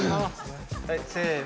はいせの。